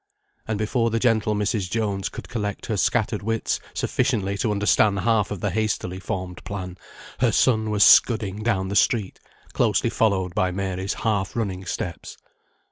And before the gentle Mrs. Jones could collect her scattered wits sufficiently to understand half of the hastily formed plan, her son was scudding down the street, closely followed by Mary's half running steps.